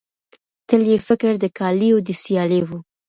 تل یې فکر د کالیو د سیالۍ وو